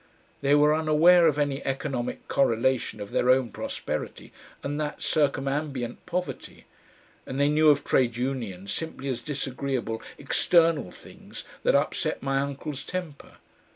They were unaware of any economic correlation of their own prosperity and that circumambient poverty, and they knew of Trade Unions simply as disagreeable external things that upset my uncle's temper.